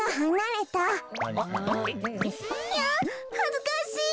いやはずかしい。